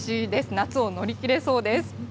夏を乗り切れそうです。